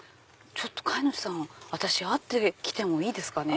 飼い主さん私会ってきてもいいですかね？